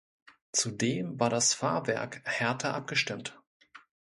Zudem war das Fahrwerk härter abgestimmt.